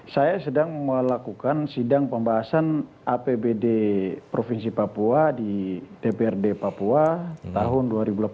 saya sedang melakukan sidang pembahasan apbd provinsi papua di dprd papua tahun dua ribu delapan belas